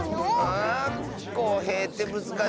あこうへいってむずかしいッス。